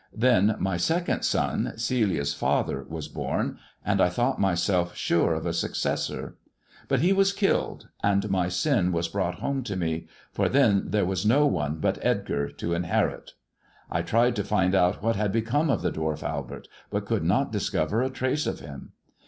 Then my second son, Celia's father, was born, and I thought myself sure of a successor. But he was killed, and my sin was brought home to me, for then there was no one but Edgar to inherit. I tried to find out what had become of the dwarf Albert, but could not discover a trace of him.